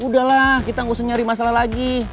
udah lah kita gak usah nyari masalah lagi